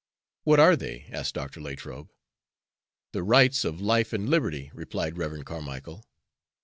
"What are they?" asked Dr. Latrobe. "The rights of life and liberty," replied Rev. Carmicle.